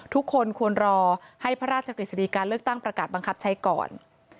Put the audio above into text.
ทุกคนควรรอให้พระราชกฤษฎีการเลือกตั้งประกาศบังคับใช้ก่อน